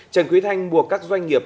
trần quý thanh buộc các doanh nghiệp